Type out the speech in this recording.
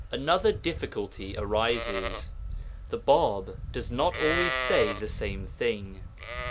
Another difficulty arises. The Bāb does not always say the same thing.